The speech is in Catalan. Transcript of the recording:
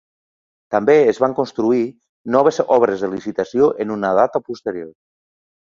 També es van construir noves obres de licitació en una data posterior.